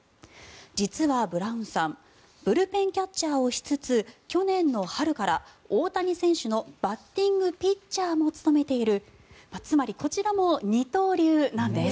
実は、ブラウンさんブルペンキャッチャーをしつつ去年の春から大谷選手のバッティングピッチャーも務めているつまりこちらも二刀流なんです。